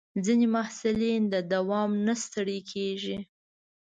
ځینې محصلین د دوام نه ستړي کېږي.